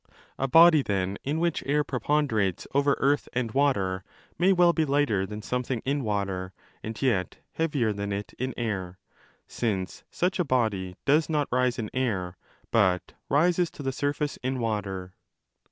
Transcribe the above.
A body, then, in which air pre ponderates over earth and water, may well be lighter than something in water and yet heavier than it in air, since such a body does not rise in air but rises to the surface in water.